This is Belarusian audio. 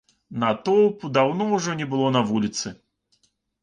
Натоўпу даўно ўжо не было на вуліцы.